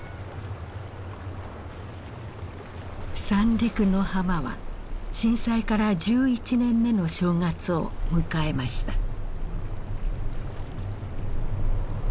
三陸の浜は震災から１１年目の正月を迎えました。